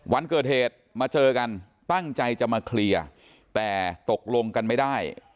วันเกิดเหตุมาเจอกันตั้งใจจะมาเคลียร์แต่ตกลงกันไม่ได้